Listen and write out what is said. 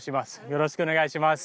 よろしくお願いします。